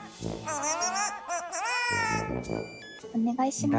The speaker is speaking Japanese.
お願いします。